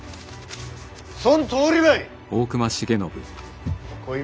そんとおりばい！